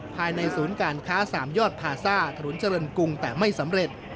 ภายในศูนย์การค้า๓ยอดพาซ่าถนนเจริญกรุงแต่ไม่สำเร็จ